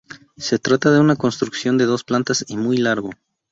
Se trata de una construcción de dos plantas y muy largo.